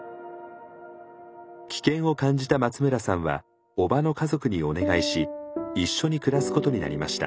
危険を感じた松村さんは叔母の家族にお願いし一緒に暮らすことになりました。